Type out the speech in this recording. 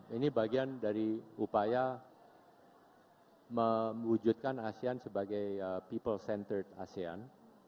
ini bagian dari upaya mewujudkan asean sebagai people center asean